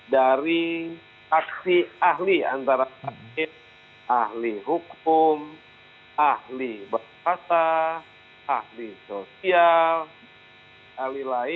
dari aksi ahli antara ahli hukum ahli bahasa ahli sosial ahli lain